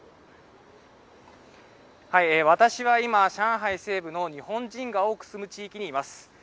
私は今、上海西部の日本人が多く住む地域にいます。